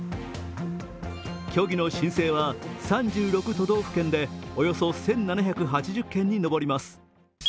虚偽の申請は３６都道府県でおよそ１７８０件に上ります。